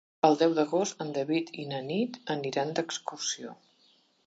El deu d'agost en David i na Nit aniran d'excursió.